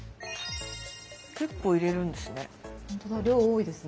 結構入れるんですね。